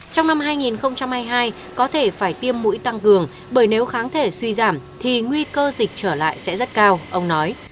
trong năm hai nghìn hai mươi hai có thể phải tiêm mũi tăng cường bởi nếu kháng thể suy giảm thì nguy cơ dịch trở lại sẽ rất cao ông nói